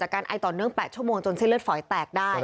ใช้เลือดตอนเนื่อง๘ชั่วโมงจนที่เลือดฝอยแตกได้